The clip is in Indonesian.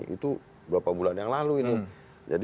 itu berapa bulan yang lalu ini